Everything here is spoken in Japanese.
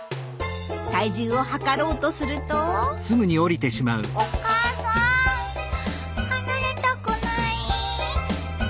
体重を量ろうとすると「お母さん！離れたくない」。